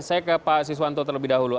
saya ke pak siswanto terlebih dahulu